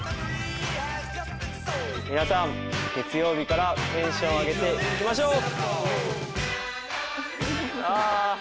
皆さん、月曜日からテンション上げていきましょう！